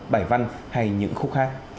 bài văn hay những khúc hát